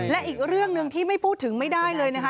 และอีกเรื่องหนึ่งที่ไม่พูดถึงไม่ได้เลยนะคะ